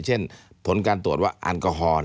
เช่นผลการตรวจว่าแอลกอฮอล์